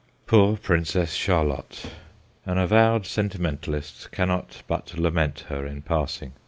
Poor Princess Char lotte ! an avowed sentimentalist cannot but lament her in passing.